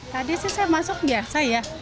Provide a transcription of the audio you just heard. tadi sih saya masuk biasa ya